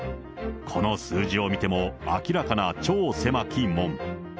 この数字を見ても明らかな超狭き門。